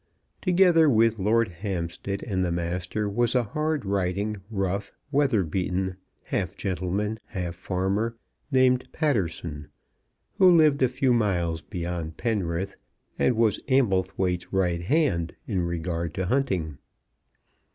Together with Lord Hampstead and the Master was a hard riding, rough, weather beaten half gentleman, half farmer, named Patterson, who lived a few miles beyond Penrith and was Amblethwaite's right hand in regard to hunting.